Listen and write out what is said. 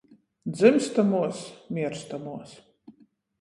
Dzymstamuos, mierstamuos,